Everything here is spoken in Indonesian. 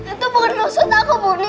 itu bukan maksud aku boni